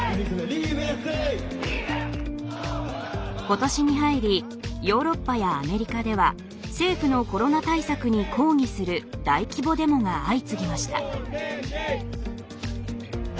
ことしに入りヨーロッパやアメリカでは政府のコロナ対策に抗議する大規模デモが相次ぎました。